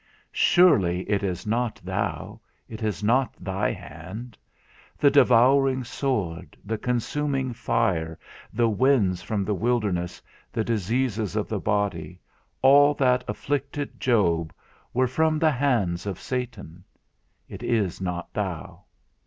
Surely it is not thou, it is not thy hand. The devouring sword, the consuming fire, the winds from the wilderness, the diseases of the body, all that afflicted Job, were from the hands of Satan; it is not thou.